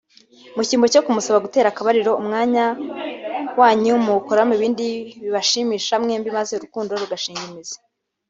Mu cyimbo cyo kumusaba gutera akabariro umwanya wanyu muwukoramo ibindi bibashimisha mwembi maze urukundo rugashinga imizi